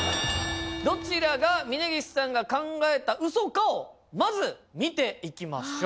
どちらが峯岸さんが考えた嘘かをまず見ていきましょう。